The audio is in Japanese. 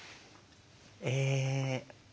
え